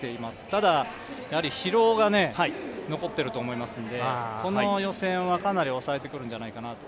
ただ、疲労が残っていると思いますのでこの予選はかなり抑えてくるんじゃないかなと。